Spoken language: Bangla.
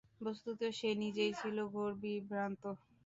বস্তুত সে নিজেই ছিল ঘোর বিভ্রান্ত।